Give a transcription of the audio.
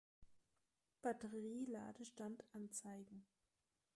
Batterie-Ladestand anzeigen.